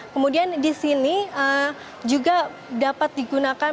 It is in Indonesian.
kemudian di sini juga dapat digunakan